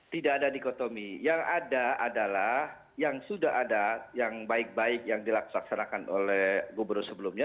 tidak ada dikotomi yang ada adalah yang sudah ada yang baik baik yang dilaksanakan oleh gubernur sebelumnya